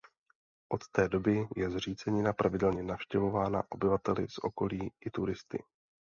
Od té doby je zřícenina pravidelně navštěvována obyvateli z okolí i turisty.